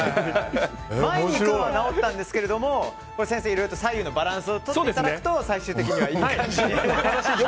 前のは治ったんですがいろいろ、左右のバランスをとっていただくと最終的にはいい感じに。